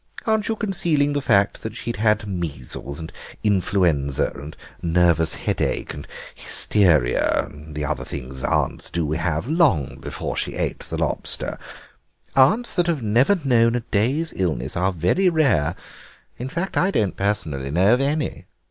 Aren't you concealing the fact that she'd had measles and influenza and nervous headache and hysteria, and other things that aunts do have, long before she ate the lobster? Aunts that have never known a day's illness are very rare; in fact, I don't personally know of any.